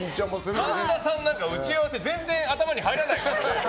神田さんなんか打ち合わせ、全然頭に入らない。